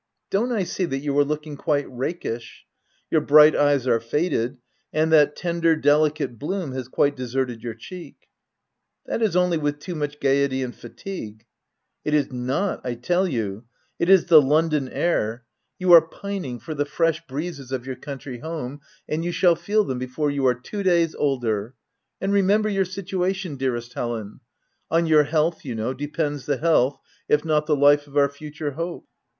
Don't I see that you are looking quite rakish ?— Your bright eyes are faded, and that tender, delicate bloom has quite deserted your cheek." "That is only with too much gaiety and fatigue." " It is not, I tell you ; it is the London air : you are pining for the fresh breezes of your OF WILDFELL HALL 103 country home — and you shall feel them, before you are two days older. And remember your situation, dearest Helen ; on your health, you know, depends the health, if not the life of our future hope."